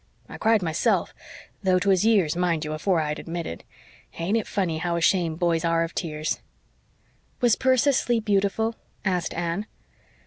I cried myself, though 'twas years, mind you, afore I'd admit it. Ain't it funny how ashamed boys are of tears?" "Was Persis Leigh beautiful?" asked Anne.